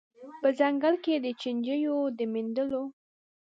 په ځنګله کي د چینجیو د میندلو